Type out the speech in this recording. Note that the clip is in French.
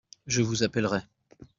Je vous appellerai